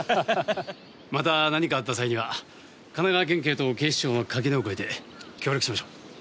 また何かあった際には神奈川県警と警視庁の垣根を越えて協力しましょう。